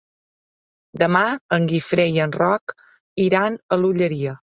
Demà en Guifré i en Roc iran a l'Olleria.